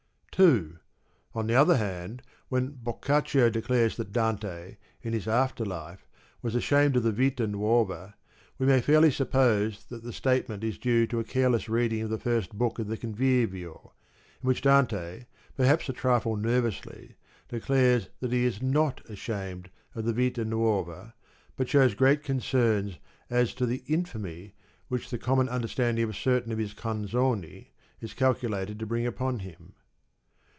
2. On the other hand when Boccaccio declares that Dante, in his after life, was ashamed of the Fifa Nuova, we may fairly suppose that the statement is due to a careless reading of the first book of the Convivio, in which Dante (perhaps a trifle nervously) declares that he is not ashamed of the Vita Nuovay but shows great concern as to the " infamy" which the common understanding of certain of his Canzoni is calculated to bring upon him.